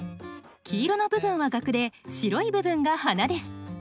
黄色の部分はガクで白い部分が花です